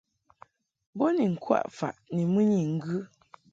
Bo ni ŋkwaʼ faʼ ni mɨnyi ŋgɨ.